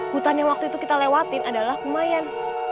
hutan yang waktu itu kita lewatin adalah lumayan